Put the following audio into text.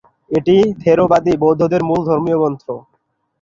এটি থেরবাদী বৌদ্ধদের মূল ধর্মীয় গ্রন্থ।